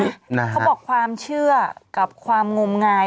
เขาบอกความเชื่อกับความงมงาย